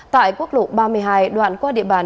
tại quốc lộ ba mươi hai đoạn qua địa bàn